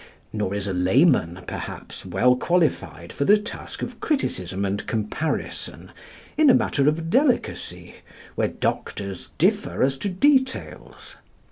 Nor is a layman, perhaps, well qualified for the task of criticism and comparison in a matter of delicacy where doctors differ as to details.